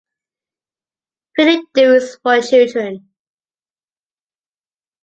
Pretty doings for children.